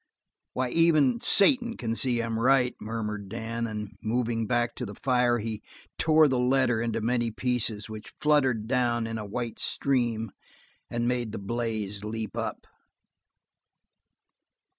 "Why, even Satan can see I'm right," murmured Dan, and moving back to the fire, he tore the letter into many pieces which fluttered down in a white stream and made the blaze leap up.